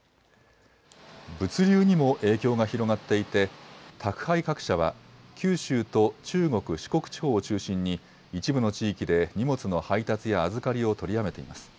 物流にも影響が広がっていて、宅配各社は九州と中国、四国地方を中心に一部の地域で荷物の配達や預かりを取りやめています。